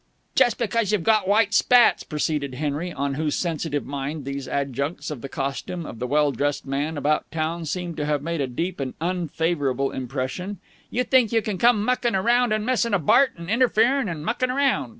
"Just because you've got white spats," proceeded Henry, on whose sensitive mind these adjuncts of the costume of the well dressed man about town seemed to have made a deep and unfavourable impression, "you think you can come mucking around and messing abart and interfering and mucking around.